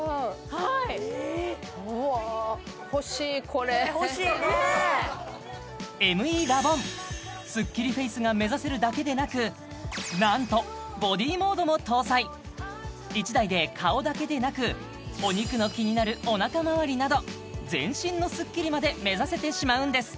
はいＭＥラボンスッキリフェイスが目指せるだけでなく何とＢＯＤＹモードも搭載１台で顔だけでなくお肉のキニナルおなかまわりなど全身のスッキリまで目指せてしまうんです